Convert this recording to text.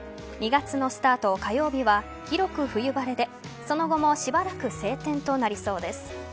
２月のスタート、火曜日は広く冬晴れでその後もしばらく晴天となりそうです。